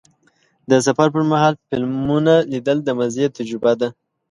د سفر پر مهال فلمونه لیدل د مزې تجربه ده.